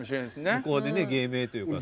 向こうでね芸名というか。